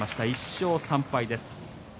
１勝３敗です。